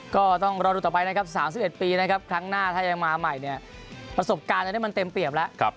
ก็ต้องรอดูต่อไปนะครับ๓๑ปีนะครับครั้งหน้าถ้ายังมาใหม่เนี่ยประสบการณ์ตอนนี้มันเต็มเปรียบแล้ว